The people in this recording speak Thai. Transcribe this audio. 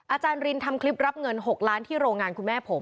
อาจารย์รินทำคลิปรับเงิน๖ล้านที่โรงงานคุณแม่ผม